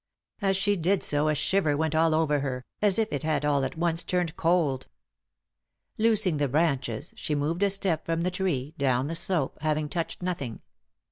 As she did so a shiver went all over her, as if it had all at once turned cold. Loosing the branches she moved a step from the tree, down the slope, having touched nothing.